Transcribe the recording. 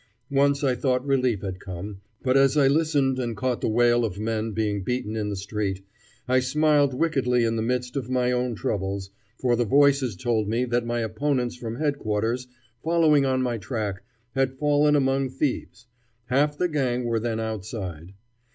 Once I thought relief had come; but as I listened and caught the wail of men being beaten in the street, I smiled wickedly in the midst of my own troubles, for the voices told me that my opponents from headquarters, following on my track, had fallen among thieves: half the gang were then outside.